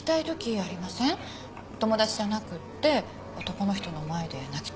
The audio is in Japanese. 友達じゃなくって男の人の前で泣きたいとき。